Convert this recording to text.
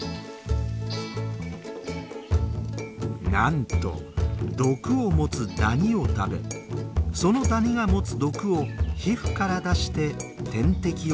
なんと毒を持つダニを食べそのダニが持つ毒を皮膚から出して天敵よけにしているのです。